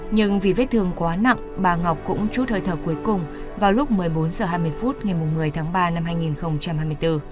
nhưng vì vết thương quá nặng bà ngọc cũng chút hơi thở cuối cùng vào lúc một mươi bốn h hai mươi phút ngày một mươi tháng ba năm hai nghìn hai mươi bốn